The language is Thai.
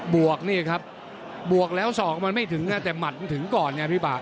วกนี่ครับบวกแล้วสองมันไม่ถึงแต่หมัดมันถึงก่อนไงพี่ปาก